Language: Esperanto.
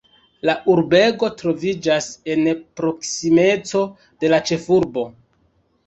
La urbego troviĝas en proksimeco de la ĉefurbo.